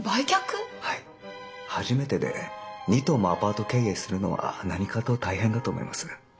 初めてで２棟もアパート経営するのは何かと大変だと思います。